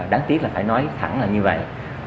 đáng tiếc là phải nói thẳng là như vậy